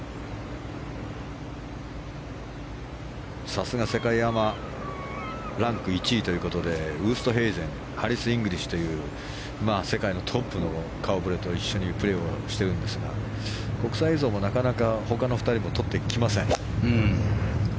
さすが世界アマランク１位ということでウーストヘイゼンハリス・イングリッシュという世界のトップの顔ぶれと一緒にプレーしているんですが国際映像も、なかなか他の２人を撮ってきません。